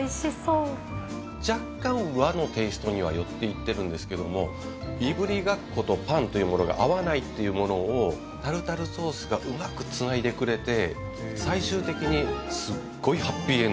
寄っていってるんですけどもいぶりがっことパンというものが合わないっていうものをタルタルソースがうまくつないでくれて最終的に。